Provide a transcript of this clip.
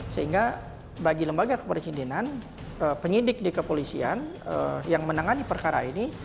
sehingga bagi lembaga kepresidenan penyidik di kepolisian yang menangani perkara ini